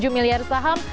sepuluh tujuh miliar saham